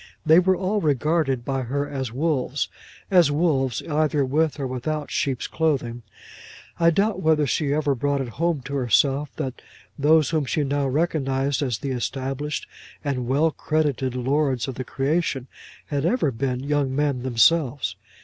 They were all regarded by her as wolves, as wolves, either with or without sheep's clothing. I doubt whether she ever brought it home to herself that those whom she now recognized as the established and well credited lords of the creation had ever been young men themselves.